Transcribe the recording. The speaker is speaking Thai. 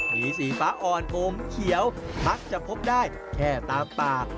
มีสีฟ้าอ่อนอมเขียวมักจะพบได้แค่ตามปาก